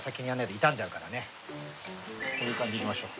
こういう感じでいきましょう。